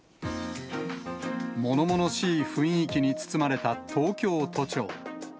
ものものしい雰囲気に包まれた東京都庁。